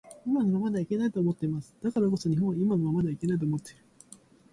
今のままではいけないと思っています。だからこそ日本は今のままではいけないと思っている